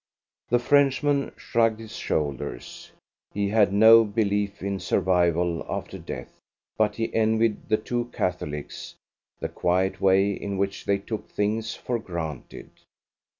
The Frenchman shrugged his shoulders. He had no belief in survival after death, but he envied the two Catholics the quiet way in which they took things for granted.